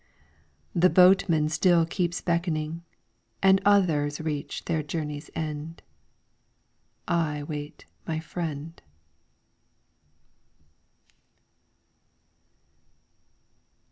The boatman still keeps beckoning, And others reach their journey's end. I wait my friend.